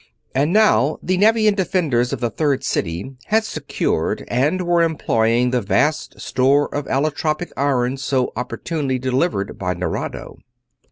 And now the Nevian defenders of the Third City had secured and were employing the vast store of allotropic iron so opportunely delivered by Nerado.